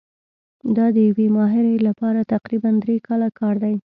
دا د یوې ماهرې لپاره تقریباً درې کاله کار دی.